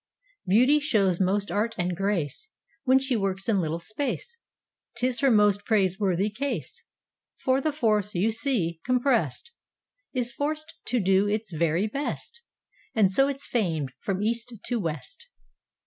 Beauty shows most art and graceWhen she works in little space:'Tis her most praiseworthy case. For the force, you see, compressed, Is forced to do its very best, And so it's famed from east to west.